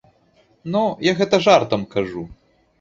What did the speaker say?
Ну, я гэта жартам кажу.